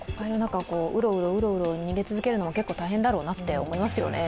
ウロウロウロウロ逃げ続けるのも結構大変だろうなと思いますね。